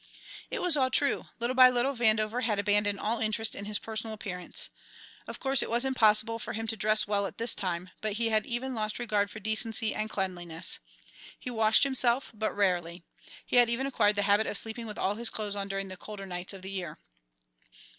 It was all true: little by little Vandover had abandoned all interest in his personal appearance. Of course it was impossible for him to dress well at this time, but he had even lost regard for decency and cleanliness. He washed himself but rarely. He had even acquired the habit of sleeping with all his clothes on during the colder nights of the year.